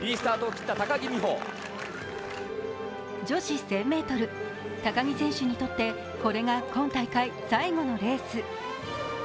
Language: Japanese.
女子１０００ｍ、高木選手にとってこれが今大会最後のレース。